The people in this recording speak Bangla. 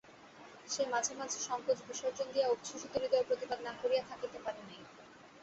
সে মাঝে মাঝে সংকোচ বিসর্জন দিয়া উচ্ছ্বসিত হৃদয়ে প্রতিবাদ না করিয়া থাকিতে পারে নাই।